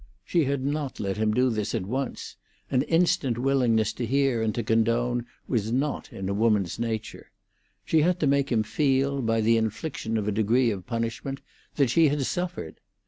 She had not let him do this at once; an instant willingness to hear and to condone was not in a woman's nature; she had to make him feel, by the infliction of a degree of punishment, that she had suffered.